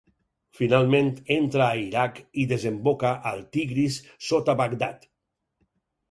Finalment, entra a Iraq i desemboca al Tigris sota Bagdad.